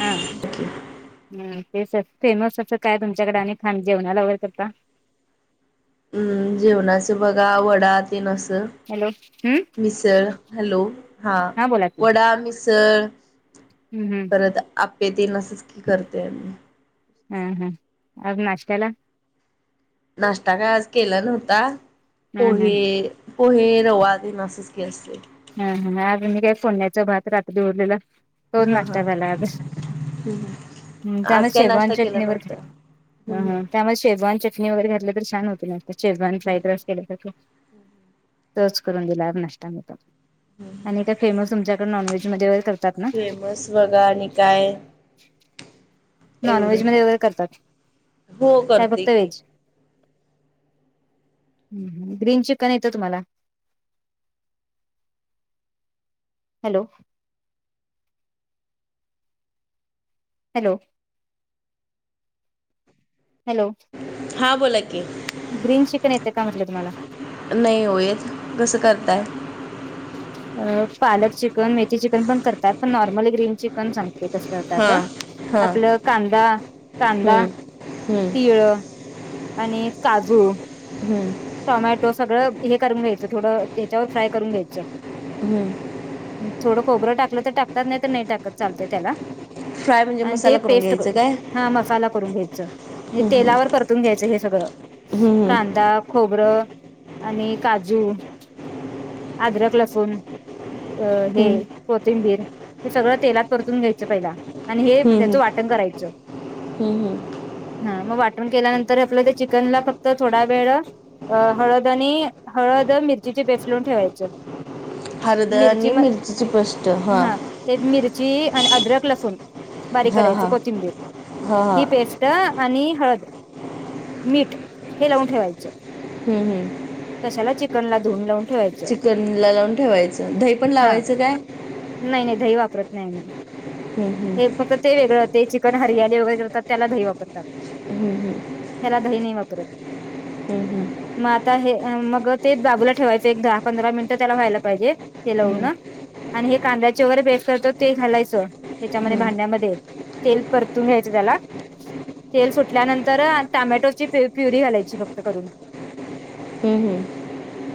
हा, हं तेच फेमस असं काय तुमच्याकडे, आणि खान जेवणाला वगैरे करता. हम्म, जेवणाच बघा वडा तेन असं. हॅलो हम्म मिसळ. हॅलो, हा बोला की वडा, मिसळ हम्म परत आप्पे तेन असंच की, करतय आम्ही. हा, हा, आज नाष्ट्याला नाश्ता काय आज केला नव्हता. हा हा पोहे पोहे, रवा तेन असच की असतय. हा, हा आज आम्ही काय फोडण्याच्या भात, रात्री उरलेला दोन हा हा नाश्ता झाला. त्यामुळे आज काय शेजवान नाश्ता केला चटणीवर नव्हता अ, हम्म ह त्यामध्ये शेजवान चटणी वगैरे घातलं तर छान होतय. नुस्ता शेजवान हम्म फ्राईड राईस तोच करून दिला आज नाश्ता मी तरं. हम्म. आणि काय फेमस तुमच्याकडे, नॉनव्हेजमध्ये वगैरे करतात ना. फेमस बघा आणि काय नॉन एवढं व्हेज मध्ये वगैरे करतात, हो काय करते फक्त की व्हेज. हं हं ग्रीन चिकन येतं तुम्हाला. हॅलो. हॅलो. हॅलो. हां बोला की. ग्रीन चिकन, येते का म्हटलं तुम्हाला. नाही हो येत, कसं करताय. पालक चिकन, मेथी चिकन पण करतात पण नॉर्मल ग्रीन चिकन सांगते कस हा करतात. हा आपलं कांदा, हम्म कांदा, हम्म तिळ. आणि काजू हम्म. टोमॅटो सगळं हे करून घ्यायचं, थोडं त्याच्यावर फ्राय करून घ्यायचं हम्म. थोडं खोबरं टाकलं तर टाकतात, नाही तर नाही टाकत. चालतय त्याला फ्राय म्हणजे अंत ते मसाला पेस्ट घ्यायचं करून, काय हा मसाला साला करून घ्यायच. म्हणजे हम्म तेलावर परतून घ्यायचं हे सगळं हम्म हम्म कांदा खोबरं आणि काजू, आद्रक, लसूण अ हे हम्म कोथिंबीर हे सगळं तेलात परतून घ्यायचं पहिला. आणि हे हम्म त्याचं वाटण करायचं. हम्म हम्म हा मग वाटण केल्यानंतर, आपलं त्या चिकनला फक्त थोडा वेळ अ हळद आणि हळद, मिरचीची पेस्ट लावून ठेवायच. हळद आणि मिरचीची पेस्ट, हां. हा ते मिरची आणि अद्रक, लसूण बारीक हां करायचं हां कोथिंबीर हां ही हां पेस्ट आणि हळद, मीठ हे लावून ठेवायचं. हम्, हम्. कशाला चिकनला, धुून लावून ठेवायचं. चिकनला लावून ठेवायचं. दही पण हा लावायचं काय. नाही नाही दही वापरत नाही. आम्ही हम्म हम्म हे फक्त ते वेगळं ते चिकन हरियाणी वगैरेतात त्याला दही वापरतात. हम्म हम् ह्याला दही नाही वापरत. हा हम्म मग आता हे मग तेच बाजूला ठेवायचं. एक दहा, पंधरा मिनिटं त्याला व्हायला पाहिजे. हे लावू हम्म ना, आणि हे कांद्याच्या वगैरे पेस्ट करतो ते घालायचं त्याच्यामध्ये हम्म भांड्यामध्ये तेल परतून घ्यायचं त्याला तेल सुटल्यानंतर टोमॅटो ची प्युरी घालायची फक्त करून हम.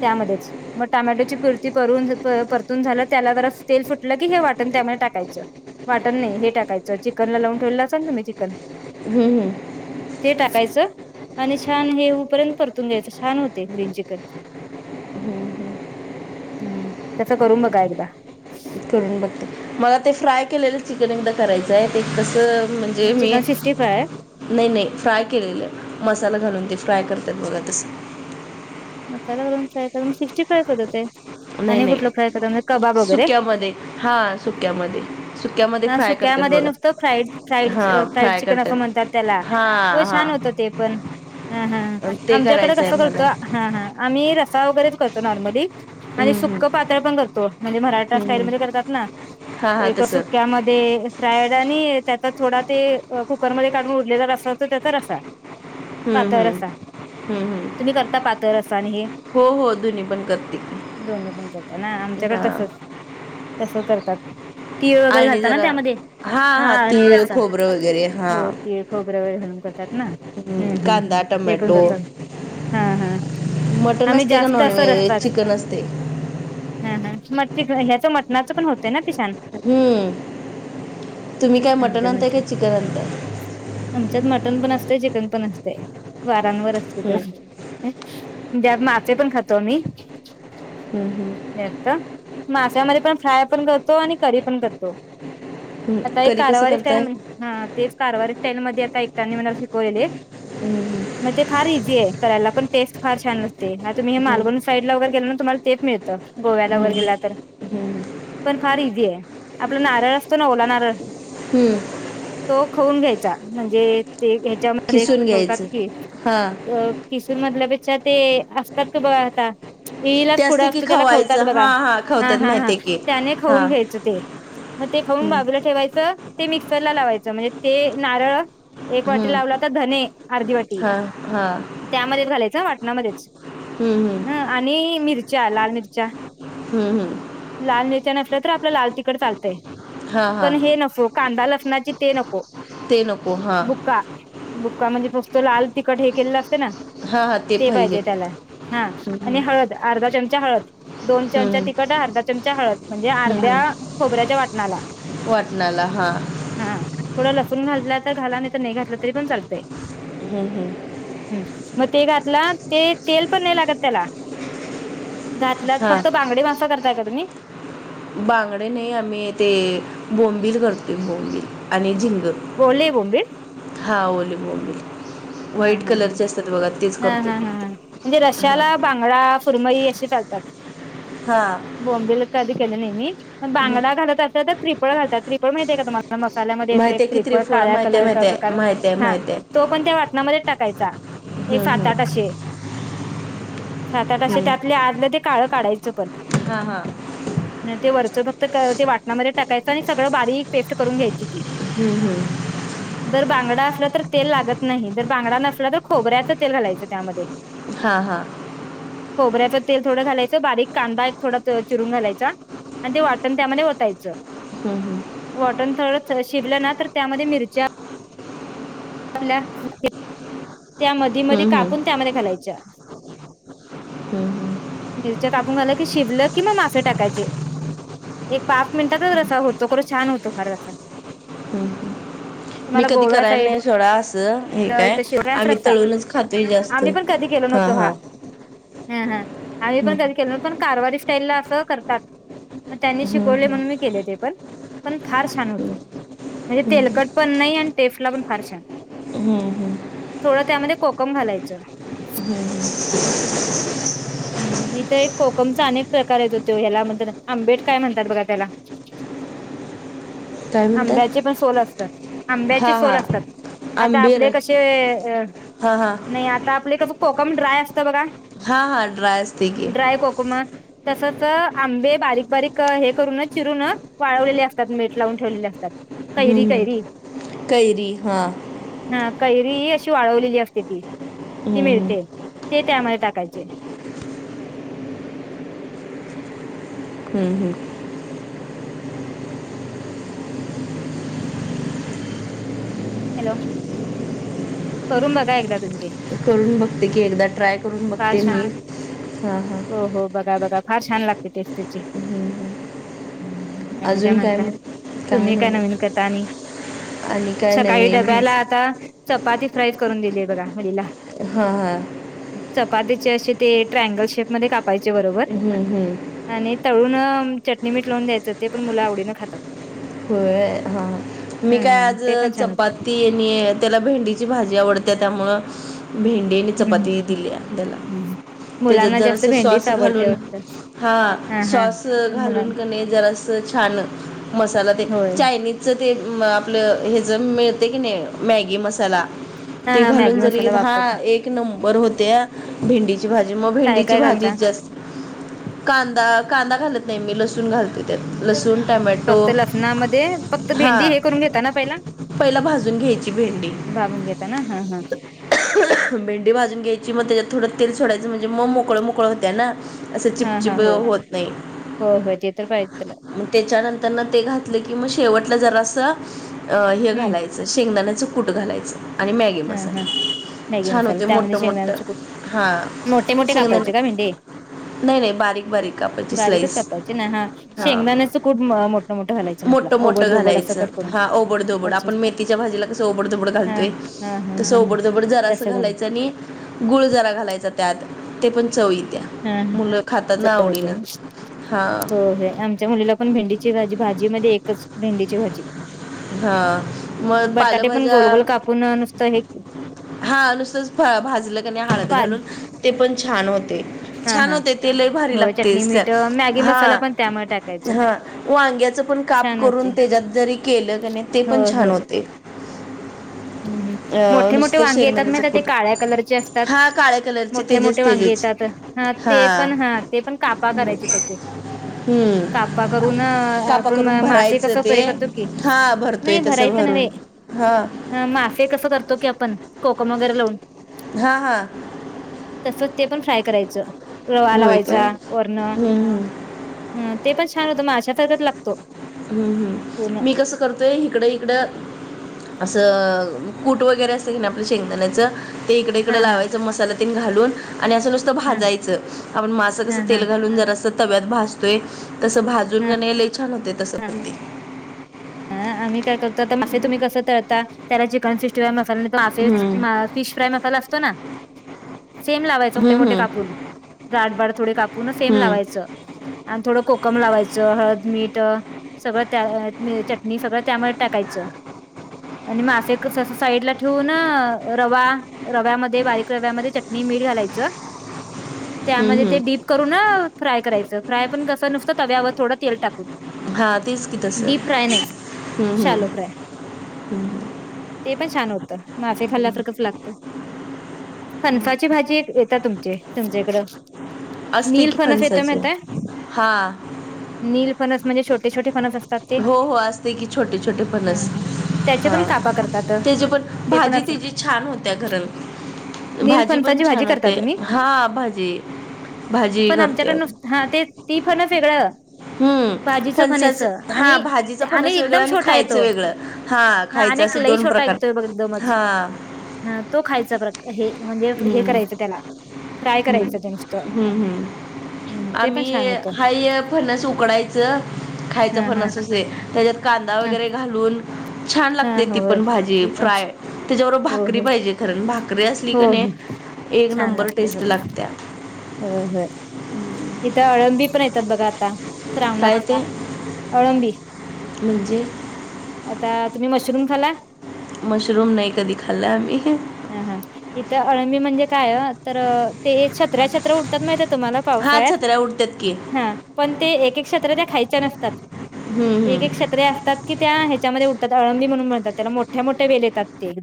त्यामध्येच मग टमॅटोची पुरती परून परतून झालं त्याला जरा तेल सुटलं की हे वाटन त्यामुळे टाकायचं. वाटण नाही हे टाकायचं, चिकन ला लावून ठेवलंल असाल ना तुम्ही चिकन हम्म हम्म. ते टाकायचं आणि छान हे पर्यंत परतून घ्यायचं छान होतेय ग्रीन चिकन हम्म तसं करून बघा एकदा करून बघते. मला ते फ्राय केलेलं चिकन एकदा करायचं आहे ते कस म्हणजे मी चिकन सिक्स्टी फ्राय नाही नाही, फ्राय केलेलं मसाला घालून ते फ्राय करतात बघा तस मसाला घालून फ्राय करून सिक्स्टी फ्राय करतात नाही आणि नाही कुठलं फ्राय करतात म्हणजे कबाब वगैरे सुक्यामध्ये हा सुक्यामध्ये सुक्यामध्ये हा फ्राय करतात सुक्यामध्ये बघा नुसतं फ्राईड फ्राईड हा फ्राईड फ्राय चिकन करतात असं म्हणतात त्याला हा हो हा छान होत. ते पण हा हा, अन ते आमच्याकडे करायचं आहे कसं मला करतो. हा हा आम्ही रस्सा वगैरेच करतो नॉर्मली. आणि हम्म सुक, हम्म पातळ पण करतो म्हणजे मराठा हम्म स्टाईल मध्ये हम्म. करतात ना हा हा एक तस सु त्यामध्ये फ्रायड आणि त्याचा थोडा ते कुकर मध्ये काढून उरलेल रस्सा होत त्याचा रस्सा हम्म पातळ हम्म रस्सा हम्म हम्म तुम्ही करता पातळ रस्सा आणि हे हो हो दोन्ही पण करते की. दोन्ही पण करतात ना हा आमच्याकडे तसच तस करतात ते तीळ वगैरे आणि घालत ना जरा त्यामध्ये हा आणि तीळ रस्सा खोबरं वगैरे हा हो तीळ, खोबरे वगैरे घालून करतात. ना हम्म कांदा हम्म ते पण टमॅटो करतो. हा हा मटण आम्ही असते का जास्त अस नॉनव्हेज रस्साच. चिकन असते हा हा मग ते ह्याचं मटणाचं पण होतंय ना ते छान हम्म तुम्ही काय मटण आमच्या आणताय काय म्हणजे चिकन आणताय. आमच्यात मटण पण असतेय चिकन पण असतय वारांवर असत ते हम्म म्हणजे मासे पण खातो आम्ही हम हम. जास्त माश्यामध्ये पण फ्राय पण करतो आणि करी पण करतो. हम्म काही एक करी कसं कारवारी स्टाईल करताय हा तेच कारवारी स्टाईल मध्ये आता एकटांनी मला शिकवलेले. मग ते फार इझी आहे करायला. पण टेस्ट फार छान असते. हा तुम्ही मालवण हम्म साईड वगैरे गेल ना तुम्हाला तेच मिळतं गोव्याला वगैर गेला तर हम्म. पण फार इझी आहे. आपला नारळ असतो ना ओला नारळ हम्म. तो खाऊन घ्यायचा म्हणजे ते ते ह्याच्यामध्ये खिसून खवतात घ्यायचं की हा किशूर मधल्यापेक्षा ते असतात का बघा आता ते इळ्याच्या पुढं असते की असतो. त्याला खवतात खवायचं हा बघा. हा, खवतात हा, हा. माहितीय की त्याने हा खवून घ्यायचं ते. मग ते खवून बाजूला ठेवायचं. ते मिक्सरला लावायचं म्हणजे ते नारळ एक वाटी हम्म लावला आता धने अर्धी वाटी, हा हा त्यामध्येच घालायचं वाटणामध्येच हम्म ह हम्म. आणि मिरच्या. लाल मिरच्या. हम्म हम्म. लाल मिरच्या नसल्या तर आपलं लाल तिकड चालतंय. हा हा पण हे न हो, कांदा लसणाची ते नको. ते नको हा बुका बुक्का म्हणजे फस्त लाल तिखट हे केलेलं असते ना. ते पाहिजे त्याला. हा. आणि हम्म हळद, अर्धा चमचा हळद. दोन चमचा हम्म तिखट, अर्धा चमचा हळद. म्हणजे अर्ध्या हम्म खोबऱ्याच्या वाटणाला वाटणाला हा. हा. थोडं लसूण घातला तर घाला, नाही तर नाही घातलं तरी पण चालतंय. हम्म हम्म. हम्म. मग ते घातला, ते तेल पण नाही लागत त्याला. घातल्यात. हा फक्त बांगडे मासा करताय का तुम्ही? बांगडे नाही, आम्ही ते बोंबिल करतो बोंबिल. आणि झिंगं. ओले बोंबील? हा ओले बोंबील. हा व्हाईट हा हा कलरचे असतात बघा, तेच हा करतोय. हा हा हा म्हणजे हा रशाला बांगडा, सुरमई असे चालतात. हां. बोंबील कधी केले नाही मी, पण बांगडा घालत असाल तर त्रिफळ घालतात. त्रिफळ माहितेय का तुम्हा म मसाल्यामध्ये येतो एक माहितीये की त्रिपळ, त्रिफळ काळ्या माहितीये कलरचा माहितीये प्रकार. माहितीये हा. माहितीये तो पण त्या वाटणामध्येच टाकायचा. एक हम्म सात आठ हम्म असे सात-आठ असे हम्म टाकले, आतलं ते काळं काढायचं पण. हा हा. ते वरच फक्त ते वाटणामध्ये टाकायचं आणि सगळं बारीक पेस्ट करून घ्यायची ती. हम्म हम्म. बर बांगडा असला तर तेल लागत नाही. जर बांगडा नसला तर खोबऱ्याचं तेल घालायचं त्यामध्ये. हा हा. खोबऱ्याचं तेल थोडं घालायचं. बारीक कांदा एक थोडा चिरून घालायचा. आणि ते वाटण त्यामध्ये ओतायचं. हम्म हम्म. वाटण थोड शिजलं ना, तर त्यामध्ये मिरच्या [unintelligible] त्या मध्ये मध्ये हम्म कापून हम्म त्यामध्ये घालायच्या. ह. मिरच्या कापून घालं की शिजलं की मग मासे टाकायचे. एक पाच मिनिटातच रसा होतो. करू छान होतो फार रस्सा. मी कधी गोव्या करायला साईड नाही सोडा असं हे काय. इथं शिवरायाच आम्ही रस्सा तळूनच खातोय जास्त. आम्ही पण कधी केलो हा, नव्हतो हा. हा हा. आम्ही हम्म पण कधी केलं नव्हतं पण कारवारी तेनला असं करतात. मग त्यांनी शिकवले म्हणून मी केले ते पण. पण फार छान होतं. म्हणजे तेलकट पण नाही आणि टेस्टला पण फार छान. हम्म हम्म. थोडं त्यामध्ये कोकम घालायचं. हम्म हम्म. हम्म इथं एक कोकमचा अनेक प्रकार येत होतो ह्याला म्हणतात आंबेड काय म्हणतात बघा त्याला. काय आंब्याचे म्हणतात पण सोल असतात. आंब्याचे हा सोल हा असतात आता आंबीर आपले कशे अ हा हा नाही आता आपले कस कोकम ड्राय असतं बघा हा हा ड्राय असते की ड्राय कोकमं तसच आंबे बारीक बारीक हे करूनं चिरूनं वाळवलेले असतात मीठ लावून ठेवलेले असतात. कैरी हम्म कैरी हम्म कैरी हा हा कैरी ही अशी वाळवलेली असते ती ती हम्म हम्म मिळते. ते त्यामध्ये टाकायचे. हम्म हम्म. [unintelligible] हॅलो. करून बघा एकदा तुमचे. करून बघते की एकदा ट्राय करून फार बघते छान मी हा हा. हो हो बघा बघा फार छान लागते टेस्ट तेची. हं. हम्म आणि काय अजून म्हणता मग तुम्ही नाही काय नवीन बघ करता आणि? आणि काय सकाळी नवीन डब्याला आता चपाती फ्राय करून दिलीय बघा मुलीला. हा हा. चपातीचे अशे ते ट्रयगल शेप मध्ये कापायचे बरोबर हं, हं. आणि तळून चटणी, मीठ लावून द्यायचं ते पण मुलं आवडीनं खातात. होय. हा मी काय हम्म आज ते पण छान होत चपाती आणि त्याला भेंडीची भाजी आवडते त्यामुळं भेन डी आणि चपाती दिलीय त्याला हम्म त्याच्यात मुलांना जास्त जरासा भेंडीच सॉस आवडते घालून वाटत हा सॉस मुलां घालून क नी जरासं छान म मसाला ते होय चायनीज ते म आपलं हेजा मिळते की नाही मॅगी मस् साला हा ते हा घालून मॅगी जरी मसाला हा वापरते एक क नंबर होत्या भेंडीची भाजी मग काय भेंडीची काय भाजी घालता जास् कांदा कांदा घालत नाही मी लसूण घालते त्यात लसूण टमॅटो फक्त लसूना मध्ये फक्त भेंडी हा हे करून घेताना पहिला पहिला भाजून घ्यायची भेंडी भाबून घेताना हा हा. भेंडी भाजून घ्यायची म त्याज्यात थोडं तेल सोडायचं म्हणजे मग मोकळं मोकळं होत्या ना असं हा हा चिपचिप होय होत नाही. होय होय ते तर पाहिजे त्याला मग त्याच्यानंतरनं ते घातलं की मग शेवटलं जरासं अ हे हम्म घालाय शेंगदाण्याचं कूट घालायचं आणि मॅगी हा हा मसाला. मॅगी छान मसाला होते त्यामध्ये मोठं मोठं शेंगदाण्याचे कुट मोठे हां मोठे शेंगदाणे कापायचे का भेंडे? नाही नाही बारीक बारीक कापायची बारीकच स्लाईस कपडायचे ना हा हां शेंगदानाच कूट म मो मोठं मोठं घालायचं हा ओबड-धोबड अच्छा आपण अच्छा. मेथीच्या भाजीला कसं ओबड-धबड हा घालतोय. हा हा तसं हा ओबड दोबड जरसा तसं घाला घालायच आणि गुळ जरा घालायचा त्यात ते पण चवी येईल. हा हा चव येते ना हो हां होय आम च्या मुलीला पण भेंडीची भाजी भाजी मध्ये एकच भेंडीची भाजी हा मग बटाटे पण पालभज्या गोलगोल कापून नुसतं हे हा नुसतंच फळ्या भाजलं क नाही हळद पाणी घालून ते पण छान हो ते हा छान हा होते ते लय भारी हो चटणी लागतेस त्या मीठ मॅगी मसाला हा. पण त्यामुळे टाकायचं हा वांग्याच पण काप छान करून होते त्याच्यात जरी केल की नाही ते पण होय छान होय होते. अ मोठे मोठे नुसतं वांगे येतात शेंगदाण्याचं माहिते ते कुट काळ्या कलरचे असतात हा काळ्या कलरचे मोठे मोठे तेजेच वांगे तेजेच येतात. हां हा ते पण हां ते पण कापा करायचे त्याचे. हम्म. कापा करून कापा आपण करून मासे कस भरायचं प्रय ते करतो की. नाही भरायच नव्हे. हां हं मासे कस करतो की आपण कोकम वगैरे लावून. हां हां तसच ते पण फ्राय करायच, रवा होय लावायचा काय वरण. हम्म हम्म. हां ते पण छान होत माश्या सारखाच लागतो. हम्म पूर्ण हम्म मी कस करतोय हिकड इकड अस कूट वगैरे असत की नाही आपल्या शेंगदाण्याच. ते इकडे इकड हा हा लावायच मसाला ते घालून आणि अस नुसत. हा भाजायच आपण मास कस हा हा तेल घालून जरास तव्यात भाजतोय. तस भाजून हा की नाही लय छान होतय तस पण ते. हां आम्ही काय करतो आता मासे तुम्ही कस तळता त्याला चिकन [unintelligible] मसाला तोे हम्म. फिश फ्राय मसाला असतो ना. सेम लावायच मोठे हम्म, मोठे हम्म. कापून जाडबाड थोडे कापून सेम हम्म. लावायच. आणि थोड कोकम लावायच, हळद, मीठ सगळ त्या चटणी सगळ त्यामध्ये टाकायच. आणि मासे कस अस साईडला ठेवून रवा रव्यामध्ये बारीक रव्यामध्ये चटणी, मीठ घालायच. [inaudible] त्यामध्ये ते हम्म. डीप करून ना फ्राय करायच फ्राय पण कस नुसत तव्यावर थोड तेल टाकून. हां तेच कि तस डीप फ्राय नाही हम्म हम्म शालो फ्राय हम् ते पण छान होत मासे खाल्ला सारखच लागत. फनसाची भाजी येतात तुमची तुमच्याइकड. असते नील की फणस येतय फणसाचे. माहितेय. हां. नील फणस म्हणजे छोटे छोटे फणस अस हो हो असते की छोटे छोटे हा फणस हा त्याचे हा पण कापा करतात त्याची पण ते पण भाजी असं त्याची छान होत्या घरल. नील भाजी पण फणसाची भाजी छान करता होते. तुम्ही हा भाजी, भाजी पण करते. आमच्याकडे नुस हा तेच ती फणस वेगळ. हम्म ख हां भाजीच फणस वेगळ एकदम आणि छोटा खायच येतो वेगळ हा खायच अस दोन प्रकार [unintelligible] दमच हा ह तो खायचा हे म्हणजे हे हम्म करायच त्याला. फ्राय हम्म करायचं ते नुसतं हम्म हम्म हम्म ते पण आम्ही छान होतं हाय फनस उकडायच खायच हा हा फनस असे त्याच्यात कांदा ह वगैरे घालून. छान हा लागते ती हो पण भाजी ती पण फ्राय त्याच्याबरोबर हो भाकरी हो पाहिजे. कारण भाकरी असली हो की नाय हो एक छान नंबर लागते टेस्ट हो लागत्या. हो हो इथ अळंबी पण येतात बघा आता. काय श्रावणात ते अळंबी. म्हणजे आता तुम्ही मशरूम खाल्ला. मशरूम नाही कधी खाल्ला आम्ही हा हा इथ अळंबी म्हणजे काय तर ते छत्र्याछत्र उडतात माहित आहे तुम्हाला. हा पावसाळ्यात छत्र्या उडतात की हा. पण ते एक एक छत्र्या त्या खायच्या नसतात, हम्म, एक हम्म. एक छत्र्या असतात. कि त्या ह्याच्यामध्ये उठतात, अळबी म्हून म्हणतात त्याला, मोठ्या मोठे वेल येतात ते.